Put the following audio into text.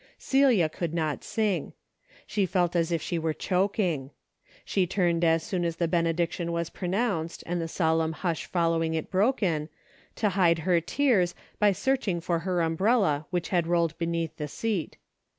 Celia could not sing. She felt as if she were choking. She turned as soon as the benediction was pronounced and the solemn hush following it broken, to hide her tears by searching for her umbrella which had rolled beneath the seat.